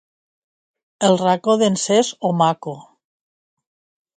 El Racó d'en Cesc o Mako?